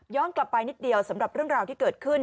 กลับไปนิดเดียวสำหรับเรื่องราวที่เกิดขึ้น